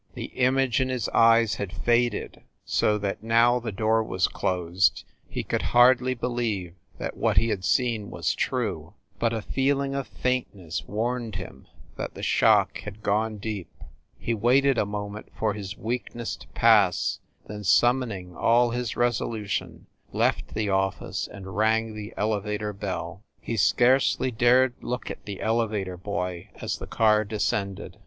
The image in his eyes had faded so that, now the door was closed, he could hardly be lieve that what he had seen was true, but a feeling of faintness warned him that the shock had gone deep. He waited a moment for his weakness to pass, then summoning all his resolution, left the office and rang the elevator bell. He scarcely dared look at the elevator boy as the car descended.